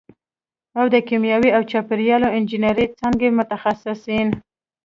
او د کیمیاوي او چاپېریالي انجینرۍ څانګې متخصصین